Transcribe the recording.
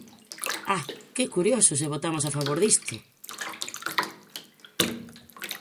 ¡Ah, que curioso, se votamos a favor disto!